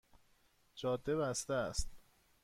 جاده بسته است